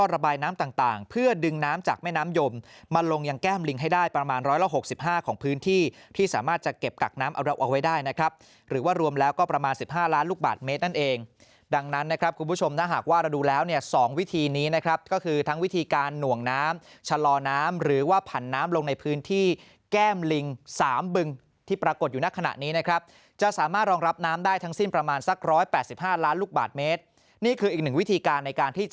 ระบายน้ำต่างเพื่อดึงน้ำจากแม่น้ำยมมาลงยังแก้มลิงให้ได้ประมาณ๑๖๕ของพื้นที่ที่สามารถจะเก็บกักน้ำเอาไว้ได้นะครับหรือว่ารวมแล้วก็ประมาณ๑๕ล้านลูกบาทเมตรนั่นเองดังนั้นนะครับคุณผู้ชมนะหากว่าเราดูแล้วเนี่ย๒วิธีนี้นะครับก็คือทั้งวิธีการหน่วงน้ำชะลอน้ำหรือว่าผันน้ำลงในพื้น